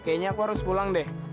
kayaknya aku harus pulang deh